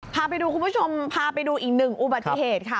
พาไปดูคุณผู้ชมพาไปดูอีกหนึ่งอุบัติเหตุค่ะ